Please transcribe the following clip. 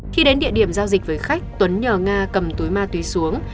khi đến địa điểm giao dịch với khách tuấn nhờ nga cầm túi ma túy xuống